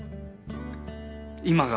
今が？